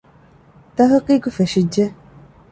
ތަހުޤީޤު ފެށިއްޖެ